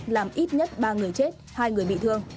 làm ít nhất ba người chết hai người bị thương